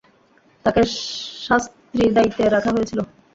তাঁকে সান্ত্রী-দায়িত্বে রাখা হয়েছিল।